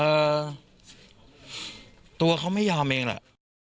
ตัวเขาไม่ยอมเองแหละ